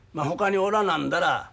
ほかにおらなんだら